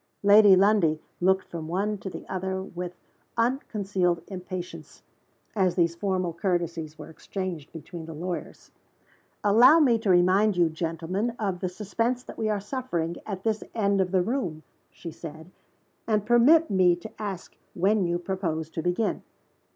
Lady Lundie looked from one to the other with unconcealed impatience as these formal courtesies were exchanged between the lawyers. "Allow me to remind you, gentlemen, of the suspense that we are suffering at this end of the room," she said. "And permit me to ask when you propose to begin?"